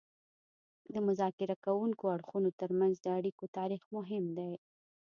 د مذاکره کوونکو اړخونو ترمنځ د اړیکو تاریخ مهم دی